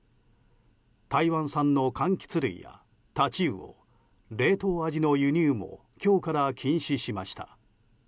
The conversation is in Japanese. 台湾産の柑橘類やタチウオ冷凍アジの輸入も今日から禁止しました。